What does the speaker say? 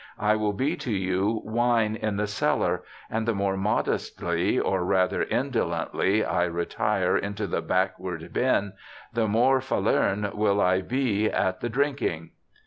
I will be to you wine in the cellar, and the more modestly, or rather, indolently I retire into the backward bin, the more Falerne will I be at the drinking.'